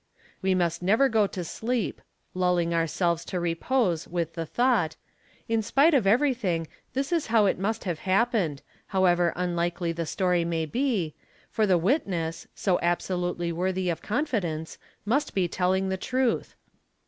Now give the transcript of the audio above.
We must never go to sleep, lulling ourselves to repose with the thought, "In spite of everything, this is how it must have hap pened, however unlikely: the story may be, for the witness—so absolutely worthy of confidence—must be telling the truth."